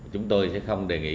chúng tôi sẽ không đề nghị